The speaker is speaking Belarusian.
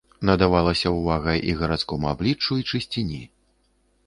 Надавалася ўвага і гарадскому абліччу і чысціні.